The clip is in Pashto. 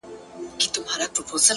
بې حیا یم ـ بې شرفه په وطن کي ـ